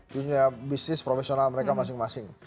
dunia bisnis profesional mereka masing masing